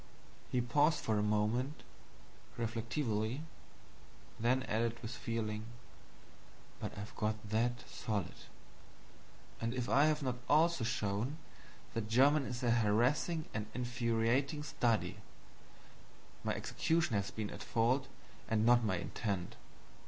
He paused for a moment, reflectively; then added with feeling: "But I've got that SOLID!" And if I have not also shown that German is a harassing and infuriating study, my execution has been at fault, and not my intent.